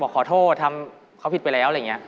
ขอโทษทำเขาผิดไปแล้วอะไรอย่างนี้